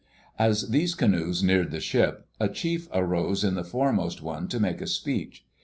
As these canoes neared the ship, a chief arose in the foremost one to make a speech.